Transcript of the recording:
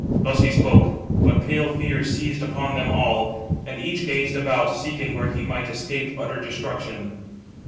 Thus he spoke; but pale fear seized upon them all, and each gazed about, [seeking] where he might escape utter destruction.